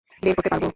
বের করতে পারব।